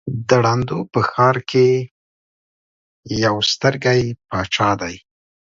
د ړندو په ښآر کې يک سترگى باچا دى.